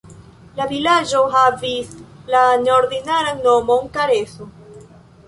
La vilaĝo havis la neordinaran nomon Kareso.